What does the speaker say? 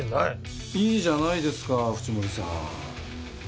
いいじゃないですか淵森さん。